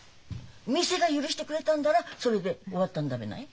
店が許してくれたんだらそれで終わったんだべない？